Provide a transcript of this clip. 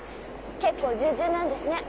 結構従順なんですね。